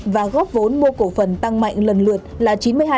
và góp vốn mua cổ phần tăng mạnh lần lượt là